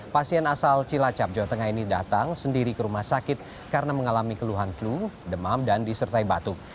pasien asal cilacap jawa tengah ini datang sendiri ke rumah sakit karena mengalami keluhan flu demam dan disertai batuk